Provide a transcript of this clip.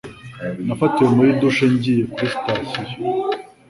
Nafatiwe muri douche ngiye kuri sitasiyo.